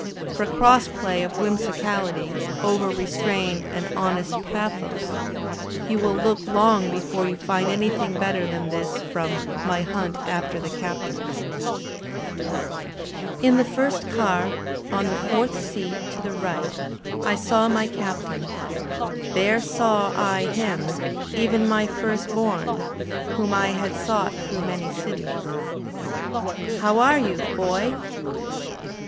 For cross play of whimsicality over restrained and honest pathos, you will look long l)efore you find anything better than this from "My Hunt After the Captain." In the first car, on the fourth seat to the right, I saw my Captain; there saw I him, even my firstborn, whom I had sought through many cities. "*How are you. Boy?